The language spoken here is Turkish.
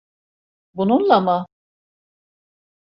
Bununla mı?